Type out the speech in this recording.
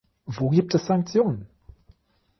Wo gibt es Sanktionen?